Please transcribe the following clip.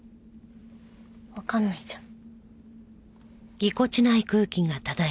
わかんないじゃん。